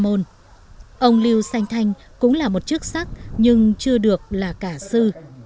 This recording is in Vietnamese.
ông lưu xanh thanh cũng là một chức sắc nhưng chưa được là cả sư